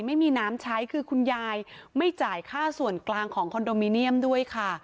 ไม่มีน้ำใช้คือคุณยายไม่จ่ายค่าส่วนกลางของคอนโดมิเนียมด้วยค่ะ